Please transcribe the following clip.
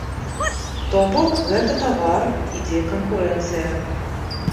То бок, гэта тавар, ідзе канкурэнцыя.